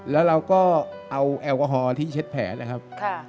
แล้วเราก็เอาแอลกอฮอลที่เช็ดแผลนะครับ